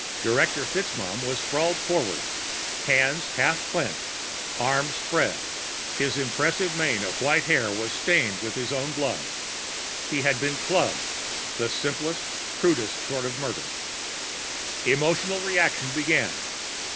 Director FitzMaugham was sprawled forward, hands half clenched, arms spread. His impressive mane of white hair was stained with his own blood. He had been clubbed the simplest, crudest sort of murder. Emotional reaction began.